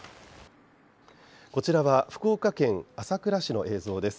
こちらは福岡県朝倉市の映像です。